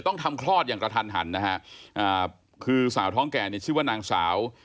ต้องทำคลอดอย่างกระทันหันนะฮะอ่าคือสาวท้องแก่เนี่ยชื่อว่านางสาว